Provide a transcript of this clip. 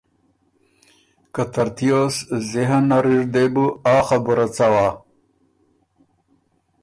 که ترتوس ذهن نر اِر دې بُو آ خبُره څوا